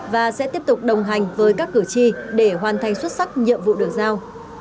và sẽ tiếp tục đồng hành với các cử tri để hoàn thành xuất sắc nhiệm vụ được giao